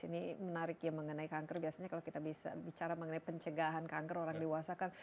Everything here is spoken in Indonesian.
ini menarik ya mengenai kanker biasanya kalau kita bisa bicara mengenai pencegahan kanker orang dewasa kan